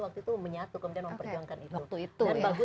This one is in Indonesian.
waktu itu menyatu kemudian memperjuangkan itu